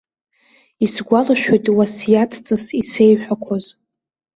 Исгәалашәоит уасиаҭҵас исеиҳәақәоз.